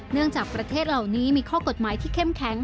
จากประเทศเหล่านี้มีข้อกฎหมายที่เข้มแข็ง